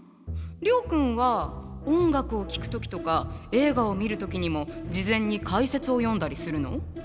諒君は音楽を聴く時とか映画を見る時にも事前に解説を読んだりするの？